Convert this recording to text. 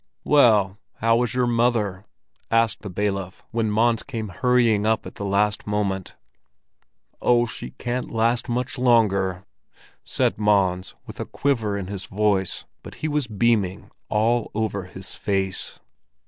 "Well, how was your mother?" asked the bailiff, when Mons came hurrying up at the last moment. "Oh, she can't last much longer!" said Mons, with a quiver in his voice. But he was beaming all over his face.